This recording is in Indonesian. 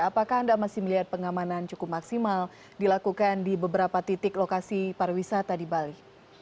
apakah anda masih melihat pengamanan cukup maksimal dilakukan di beberapa titik lokasi pariwisata di bali